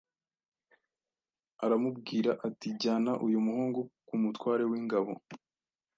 aramubwira ati: ‘Jyana uyu muhungu ku mutware w’ingabo